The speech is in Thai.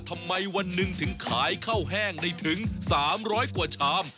ทำไมวันหนึ่งถึงขายข้าวแห้งได้ถึง๓๐๐กว่าชาม